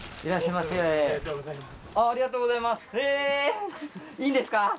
いいんですか？